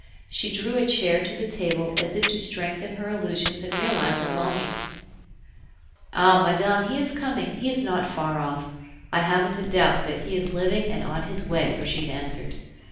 She drew a chair to the table as if to strengthen her illusions and realize her longings. "Ah! madame, he is coming. He is not far off.... I haven't a doubt that he is living and on his way," Brigitte answered.